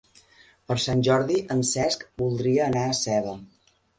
Per Sant Jordi en Cesc voldria anar a Seva.